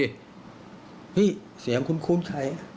หึยเสียงคุ้นใครอ่ะ